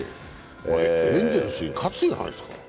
エンゼルスに喝じゃないですか？